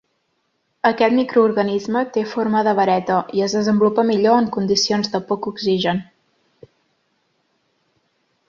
Aquest microorganisme té forma de vareta i es desenvolupa millor en condicions de poc oxigen.